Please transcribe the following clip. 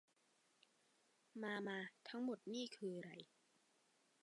มา มา ทั้งหมดนี่คืออะไร